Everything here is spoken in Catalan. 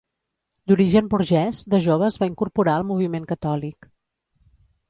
D'origen burgès, de jove es va incorporar al moviment catòlic.